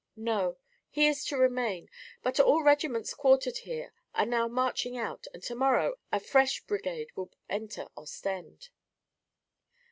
"No; he is to remain. But all regiments quartered here are now marching out and to morrow a fresh brigade will enter Ostend."